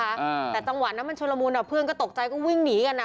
อ่าแต่จังหวะนั้นมันชุดละมุนอ่ะเพื่อนก็ตกใจก็วิ่งหนีกันอ่ะ